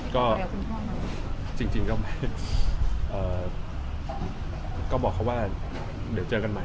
ก็จริงจริงก็ไม่ก็บอกเขาว่าเดี๋ยวเจอกันใหม่